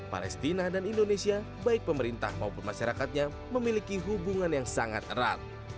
palestina dan indonesia baik pemerintah maupun masyarakatnya memiliki hubungan yang sangat erat